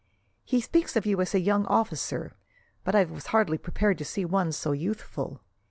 He speaks of you as a young officer, but I was hardly prepared to see one so youthful.